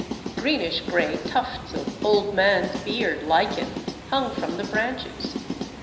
Greenish grey tufts of Old Man's Beard lichen hung from the branches.